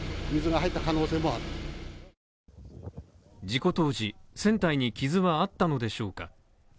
事故当時、船体に傷はあったのでしょうか？